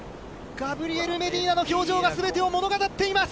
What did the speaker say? ガブリエル・メディーナの表情がすべてを物語っています。